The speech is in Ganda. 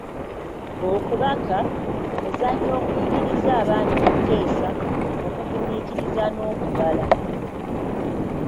Okubaka, muzannyo okuyigiriza abaana okuteesa okugumiikiriza n’okubala.